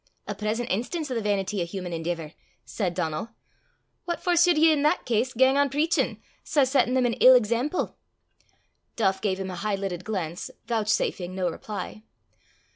"A present enstance o' the vainity o' human endeevour!" said Donal. "What for sud ye, in that case, gang on preachin', sae settin' them an ill exemple?" Duff gave him a high lidded glance, vouchsafing no reply.